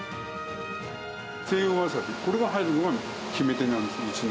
西洋ワサビ、これが入るのが決めてなんですね、うちの。